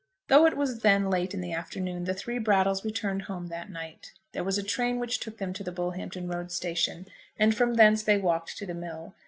Though it was then late in the afternoon the three Brattles returned home that night. There was a train which took them to the Bullhampton Road station, and from thence they walked to the mill.